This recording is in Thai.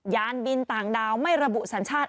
ยานบินต่างดาวไม่ระบุสัญชาติ